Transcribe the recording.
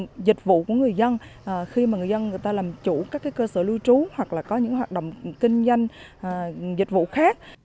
cái chất lượng dịch vụ của người dân khi mà người dân người ta làm chủ các cái cơ sở lưu trú hoặc là có những hoạt động kinh doanh dịch vụ khác